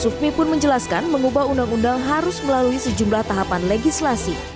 sufmi pun menjelaskan mengubah undang undang harus melalui sejumlah tahapan legislasi